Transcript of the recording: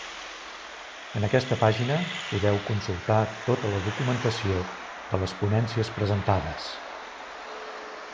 En aquesta pàgina podeu consultar tota la documentació de les ponències presentades.